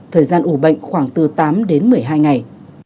thời gian ủ bệnh khoảng từ tám đến một mươi hai ngày